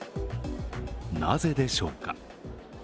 なぜでしょうか。